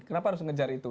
kenapa harus ngejar itu